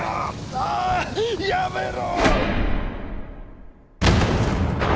ああっやめろ！